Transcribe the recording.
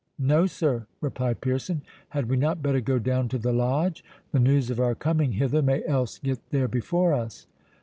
"No, sir," replied Pearson. "Had we not better go down to the Lodge? The news of our coming hither may else get there before us."